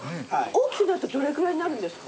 大きくなったらどれぐらいになるんですか？